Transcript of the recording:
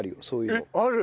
そういうの。